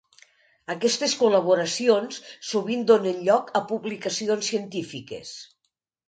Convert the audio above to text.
Aquestes col·laboracions sovint donen lloc a publicacions científiques.